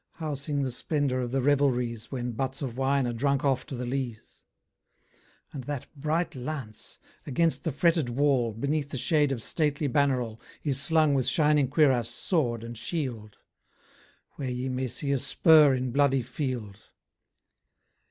How sing the splendour of the revelries, When buts of wine are drunk off to the lees? And that bright lance, against the fretted wall, Beneath the shade of stately banneral, Is slung with shining cuirass, sword, and shield? Where ye may see a spur in bloody field.